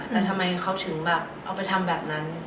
แต่ทำไมเขาถึงเอาไปทำแบบนั้น